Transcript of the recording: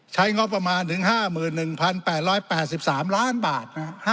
ใช้งบประมาณถึง๕๑๘๘๓ล้านบาท